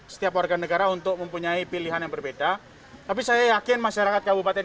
setiap warga negara untuk mempunyai pilihan yang berbeda tapi saya yakin masyarakat kabupaten